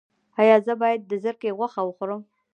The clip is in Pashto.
ایا زه باید د زرکې غوښه وخورم؟